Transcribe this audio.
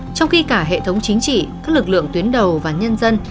trong khi cả hệ thống chính trị các lực lượng tuyến đầu và nhân dân